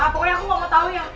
pokoknya aku gak tau ya